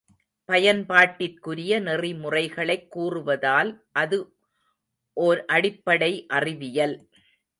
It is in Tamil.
பயன்பாட்டிற்குரிய நெறிமுறைகளைக் கூறுவதால் அது ஒர் அடிப்படை அறிவியல்.